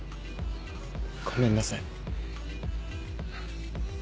ごめんなさい。